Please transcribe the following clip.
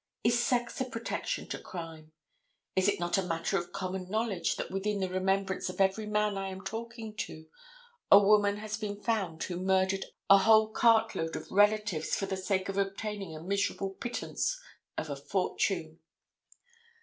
Is sex a protection to crime? Is it not a matter of common knowledge that within the remembrance of every man I am talking to, a woman has been found who murdered a whole cart load of relatives for the sake of obtaining a miserable pittance of a fortune.